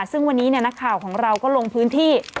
ซึ่งวันนี้นักข่าวของเราก็ลงพื้นที่